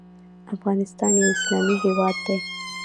افغانستان یو اسلامي هیواد دی.